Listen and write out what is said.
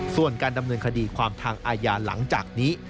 ส่วนการดำเนินคดีความทางอาญาหลังจากนี้